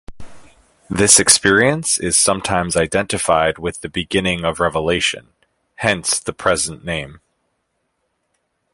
This experience is sometimes identified with the beginning of revelation; hence the present name.